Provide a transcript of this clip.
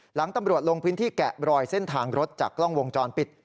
หลังตำรวจลงพื้นที่แกะรอยเส้นทางรถจากกล้องวงจรปิด